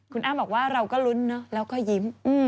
คุณอ้ำบอกว่าเราก็ลุ้นเนอะแล้วก็ยิ้ม